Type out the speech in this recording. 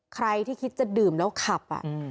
ใครที่คิดจะดื่มแล้วขับ